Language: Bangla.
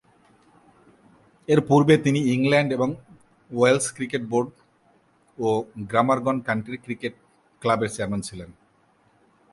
এরপূর্বে তিনি ইংল্যান্ড এবং ওয়েলস ক্রিকেট বোর্ড ও গ্ল্যামারগন কাউন্টি ক্রিকেট ক্লাবের চেয়ারম্যান ছিলেন।